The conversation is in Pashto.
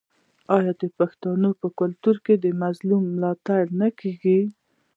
آیا د پښتنو په کلتور کې د مظلوم ملاتړ نه کیږي؟